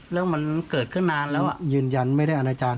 ยืนยันไม่ได้อนาจารย์และไม่ได้อ้านาจารย์